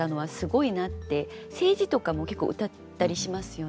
政治とかも結構うたったりしますよね。